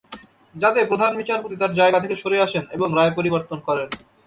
যাতে প্রধান বিচারপতি তাঁর জায়গা থেকে সরে আসেন এবং রায় পরিবর্তন করেন।